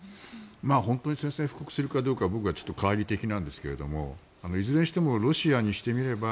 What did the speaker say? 本当に宣戦布告するかどうか僕は懐疑的なんですがいずれにしてもロシアにしてみれば